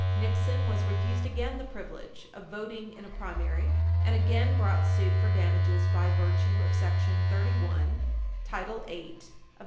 Nixon was refused again the privilege of voting in a primary, and again brought suit for damages by virtue of § 31, Title 8 U.